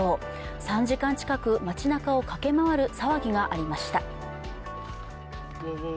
３時間近く街なかを駆け回る騒ぎがありました。